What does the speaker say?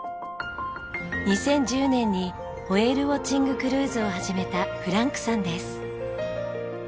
２０１０年にホエールウォッチングクルーズを始めたフランクさんです。